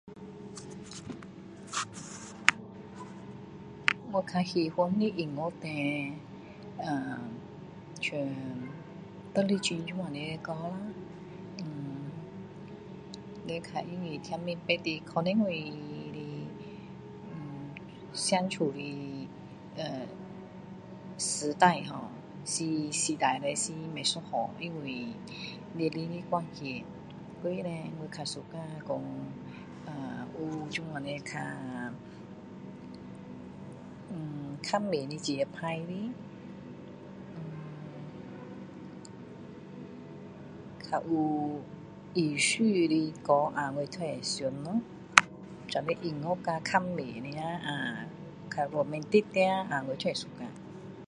我较喜欢的音乐teh eh像邓丽君这样的歌咯你较容易听明白的可能我的相处的erm时代ho是时代不一样因为年龄的关系所以呢我较suka讲啊有这样的较erm较慢的节拍的较有意思的歌啊我都会想咯这样的音乐啊较慢的啊较romantic的啊啊我都会suka